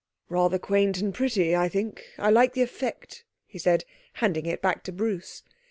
'Rather quaint and pretty, I think. I like the effect,' he said, handing it back to Bruce.